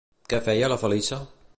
Què feia la Feliça?